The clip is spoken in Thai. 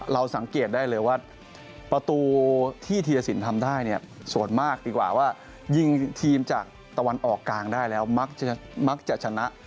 เราสังเกตได้เลยว่าประตูที่ธีรสินทำได้เนี่ยส่วนมากดีกว่าว่ายิงทีมจากตะวันออกกลางได้แล้วมักจะมักจะชนะ